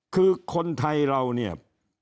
คือคนไทยเราเนี่ย